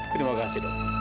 terima kasih dok